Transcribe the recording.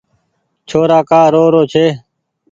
ڇورآ ڪآ رو رو ڇي